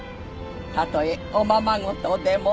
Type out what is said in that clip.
たとえおままごとでも。